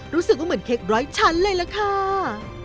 รู้สึกว่าเหมือนเค้กร้อยชั้นเลยล่ะค่ะ